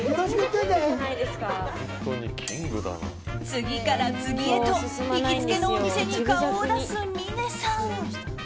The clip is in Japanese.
次から次へと行きつけのお店に顔を出す峰さん。